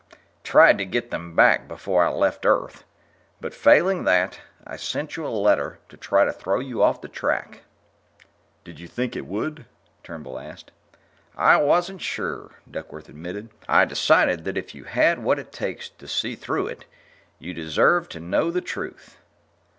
ah ... tried to get them back before I left Earth, but, failing that, I sent you a letter to try to throw you off the track." "Did you think it would?" Turnbull asked. "I wasn't sure," Duckworth admitted. "I decided that if you had what it takes to see through it, you'd deserve to know the truth."